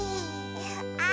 あ！